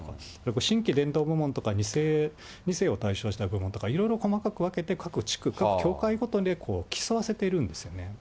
新規伝道部門とか２世を対象にした部門とか、いろいろ細かく分けて、各地区、各教会ごとで競わせているんですよね。